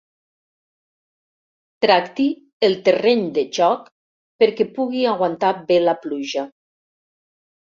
Tracti el terreny de joc perquè pugui aguantar bé la pluja.